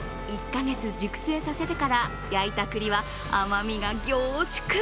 １か月熟成させてから焼いた栗は甘みが凝縮。